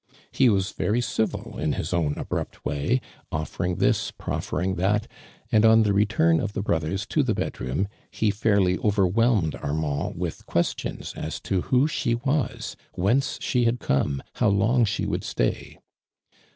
He was very civil in his own abrupt way, offering this, proffering that, and on the return of the brothers to the be<l room, he fairly overwhelmed Armand with questions as to who she was, whence she had come, how long she would stay.